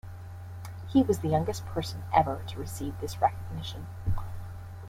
He was the youngest person ever to receive this recognition.